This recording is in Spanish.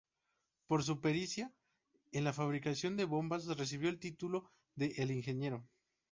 Por su pericia en la fabricación de bombas recibió el título de "el ingeniero".